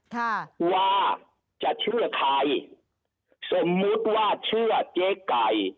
ค่ะว่าจะเชื่อใครสมมุติว่าเชื่อเจ๊ไก่